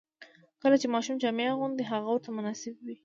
کله چې ماشوم جامې اغوندي، هغه ورته مناسبې وي.